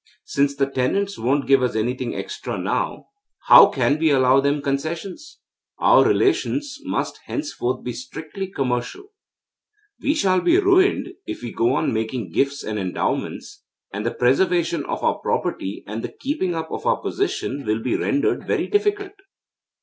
Since the tenants won't give us anything extra now, how can we allow them concessions? Our relations must henceforth be strictly commercial. We shall be ruined if we go on making gifts and endowments, and the preservation of our property and the keeping up of our position will be rendered very difficult.'